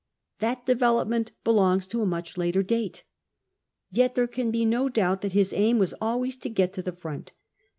That development belongs to a tnurh later date. Yet there can be no doubt that his aim was always to got to the front.